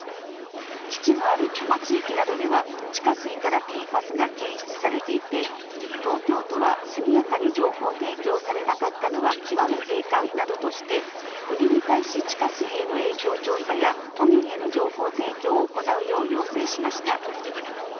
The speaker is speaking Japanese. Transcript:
基地のある多摩地域などでは地下水からＰＦＡＳが検出されていて東京都は速やかに情報提供されなかったのは極めて遺憾などとして国に対し、地下水への影響調査や都民への情報提供を行うよう要請しました。